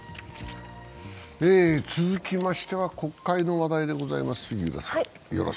続きましては、国会の話題でございます。